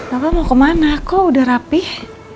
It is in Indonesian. bapak mau kemana kok udah rapih